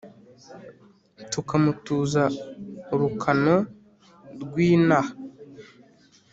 Tukamutuza urukano rwi inaha